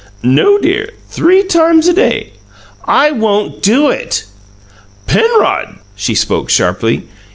"No, dear; three times a day." "I won't do it!" "Penrod!" She spoke sharply.